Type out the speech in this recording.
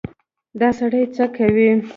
_دا سړی څه کوې؟